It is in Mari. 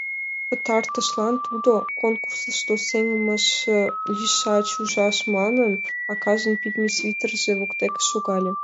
Пытартышлан тудо, конкурсышто сеҥышым лишыч ужаш манын, акажын пидме свитерже воктеке шогале.